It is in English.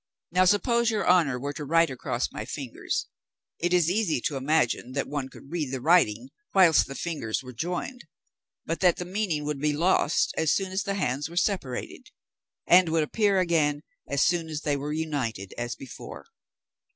Now suppose your honour were to write across my fingers, it is easy to imagine that one could read the writing whilst the fingers were joined, but that the meaning would be lost as soon as the hands were separated, and would appear again as soon as they were united as before.